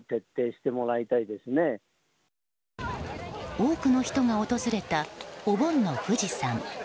多くの人が訪れたお盆の富士山。